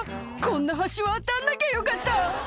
「こんな橋渡んなきゃよかった」